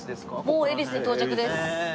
もう恵比寿に到着です。